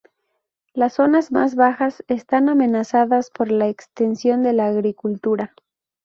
Las zonas más bajas están amenazadas por la extensión de la agricultura.